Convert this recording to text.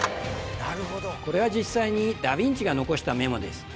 これは実際にダ・ヴィンチが残したメモです